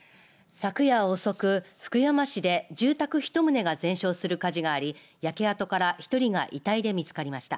昨夜遅く福山市で住宅１棟が全焼する火事があり焼け跡から１人が遺体で見つかりました。